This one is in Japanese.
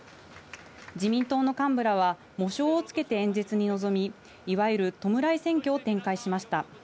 自民党の幹部らは喪章をつけて演説に臨み、いわゆる弔い選挙を展開しました。